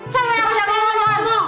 siapa yang ngajak ngajak